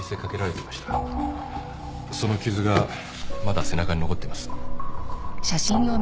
その傷がまだ背中に残っています。